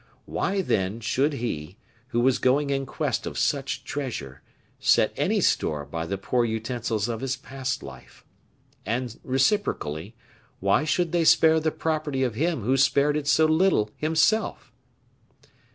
Why, then, should he, who was going in quest of such treasure, set any store by the poor utensils of his past life? And reciprocally, why should they spare the property of him who spared it so little himself?